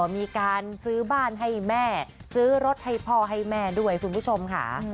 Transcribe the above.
มีการซื้อบ้านให้แม่ซื้อรถให้พ่อให้แม่ด้วยคุณผู้ชมค่ะ